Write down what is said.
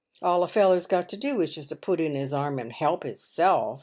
All a feller's got to do is just to put in his arm and help hisself.